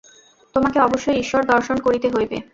তোমাকে অবশ্যই ঈশ্বর দর্শন করিতে হইবে।